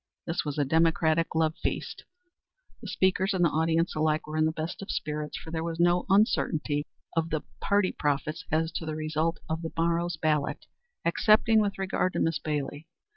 This was a Democratic love feast. The speakers and the audience alike were in the best of spirits, for there was no uncertainty in the minds of the party prophets as to the result of the morrow's ballot excepting with regard to Miss Bailey.